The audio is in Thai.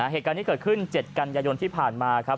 เหตุการณ์นี้เกิดขึ้น๗กันยายนที่ผ่านมาครับ